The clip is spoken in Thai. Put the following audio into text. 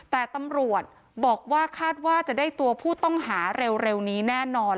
แต่ตำรวจบอกว่าคาดว่าจะได้ตัวผู้ต้องหาเร็วนี้แน่นอน